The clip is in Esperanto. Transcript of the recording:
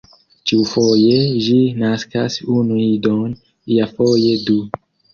Ĉiufoje ĝi naskas unu idon, iafoje du.